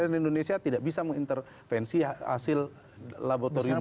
maka cnn indonesia tidak bisa mengintervensi hasil laboratorium saya